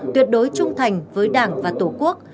tuyệt đối trung thành với đảng và tổ quốc